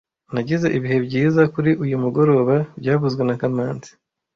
Nagize ibihe byiza kuri uyu mugoroba byavuzwe na kamanzi